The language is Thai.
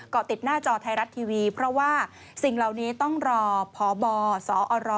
ติดหน้าจอไทยรัฐทีวีเพราะว่าสิ่งเหล่านี้ต้องรอพบสอร